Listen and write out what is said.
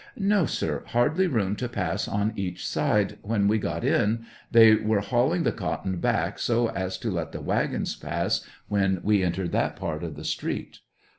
No, sir, hardly room to pass on each side ; when we got in they were hauling the cotton back so as to let the wagons pass when we entered that part of the street.